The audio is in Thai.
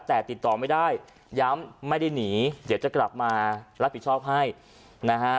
แต่ติดต่อไม่ได้ย้ำไม่ได้หนีเดี๋ยวจะกลับมารับผิดชอบให้นะฮะ